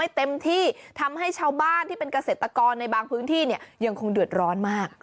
เต็มที่ทำให้ชาวบ้านที่เป็นเกษตรกรในบางพื้นที่เนี่ยยังคงเดือดร้อนมาก